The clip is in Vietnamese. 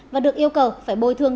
và được yêu cầu phải bồi thương